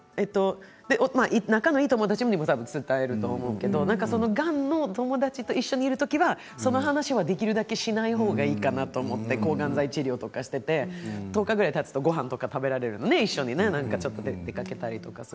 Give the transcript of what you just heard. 仲のいいお友達にも伝えると思うけれどがんの友達と一緒にいる時にはその話はできるだけしない方がいいかなと思って抗がん剤治療とかしていて１０日ぐらいたつと一緒にごはんが食べられるから出かけたりとか。